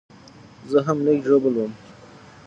زه هم لږ ژوبل وم